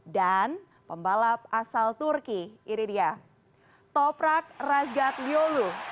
dan pembalap asal turki ini dia toprak razgatliolu